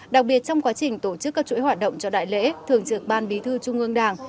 đặc biệt trong quá trình tổ chức các chuỗi hoạt động cho đại lễ thường trực ban bí thư trung ương đảng